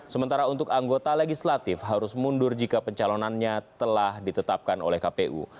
sementara untuk anggota legislatif harus mundur jika pencalonannya telah ditetapkan oleh kpu